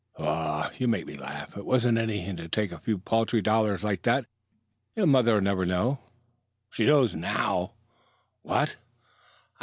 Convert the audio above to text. "Paugh! You make me laugh. It wasn't anything to take a few paltry dollars like that. You're mother'll never know." "She knows now." "What?"